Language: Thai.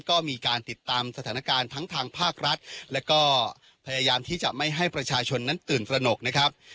ก็มีการติดตามสถานการณ์ทั้งทางภาครัฐแล้วก็พยายามที่จะไม่ให้ประชาชนนั้นตื่นตระหนกนะครับ